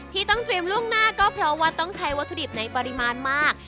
ที่ต้องเตรียมล่วงหน้าก็เพราะว่าต้องใช้วัตถุดิบในปริมาณมาก